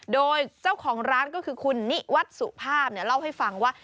โดยเจ้าของร้านก็คือคุณนิวัฒน์สุภาพเล่าให้ฟังว่า